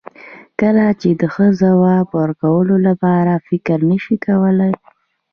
کله چې د ښه ځواب ورکولو لپاره فکر نشې کولای.